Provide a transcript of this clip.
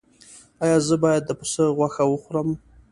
ایا زه باید د پسې غوښه وخورم؟